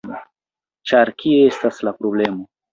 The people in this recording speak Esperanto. ĉar kie estas la problemo.